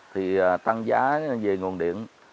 thì tăng giá về nguồn điện